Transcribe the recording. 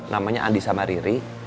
namanya andi samariri